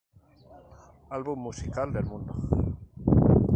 Álbum musical del mundo